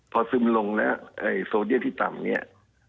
พอซึมลงแล้วโซเดียที่ตำ